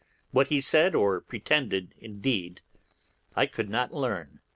What he said, or pretended, indeed I could not learn.